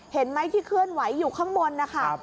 เห็นไหมที่เคลื่อนไหวอยู่ข้างบนนะคะ